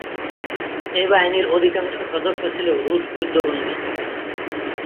এ বাহিনীর অধিকাংশ সদস্য ছিল রুশ যুদ্ধবন্দী।